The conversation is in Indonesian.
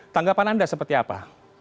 tanggapan anda seperti apa